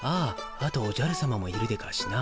あとおじゃるさまもいるでガシな。